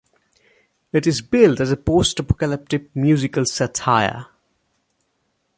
It is billed as a "post-apocalyptic musical satire".